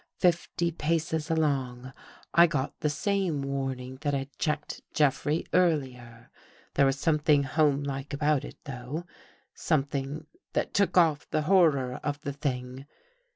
Fifty paces along, I got the same warning that had checked Jeffrey earlier. There was something homelike about it, though — something that took off the hor ror of the thing.